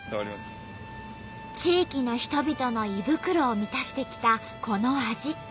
地域の人々の胃袋を満たしてきたこの味。